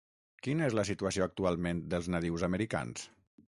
Quina és la situació actualment dels nadius americans?